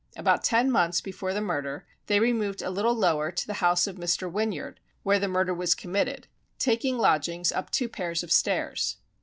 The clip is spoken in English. About ten months before the murder they removed a little lower to the house of Mr. Whinyard, where the murder was committed, taking lodgings up two pairs of stairs.